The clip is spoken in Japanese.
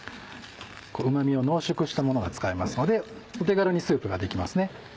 うま味を濃縮したものが使えますのでお手軽にスープができますね。